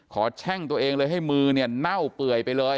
แช่งตัวเองเลยให้มือเนี่ยเน่าเปื่อยไปเลย